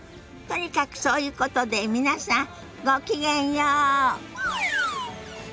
とにかくそういうことで皆さんごきげんよう。